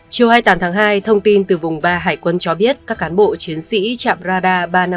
chiều hai mươi tám tháng hai thông tin từ vùng ba hải quân cho biết các cán bộ chiến sĩ trạm radar ba trăm năm mươi bốn